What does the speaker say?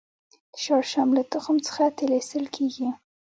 د شړشم له تخم څخه تېل ایستل کیږي